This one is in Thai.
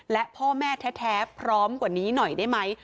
และพ่อแม่แท้พร้อมกว่านี้หน่อยได้ไหม